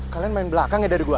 kalian main belakang ya dari gua